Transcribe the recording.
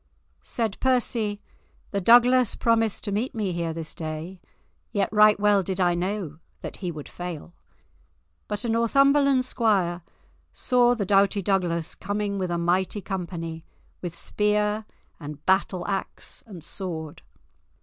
Said Percy: "The Douglas promised to meet me here this day, yet right well did I know that he would fail." But a Northumberland squire saw the doughty Douglas coming with a mighty company, with spear and batter axe and sword.